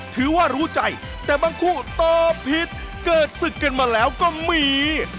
ถือว่ารู้ใจแต่บางคู่ตอบผิดเกิดศึกกันมาแล้วก็มี